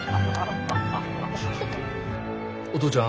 お父ちゃん